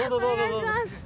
お願いします。